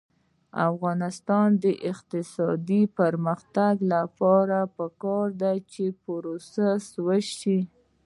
د افغانستان د اقتصادي پرمختګ لپاره پکار ده چې پروسس وشي.